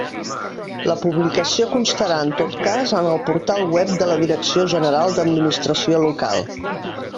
La publicació constarà en tot cas en el portal web de la Direcció General d'Administració Local.